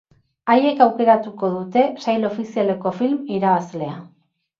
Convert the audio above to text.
Haiek aukeratuko dute sail ofizialeko film irabazlea.